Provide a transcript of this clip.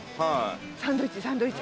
サンドイッチサンドイッチ。